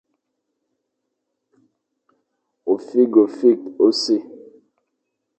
Ôfîghefîkh ô sir.